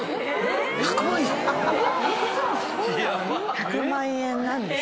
１００万円なんです。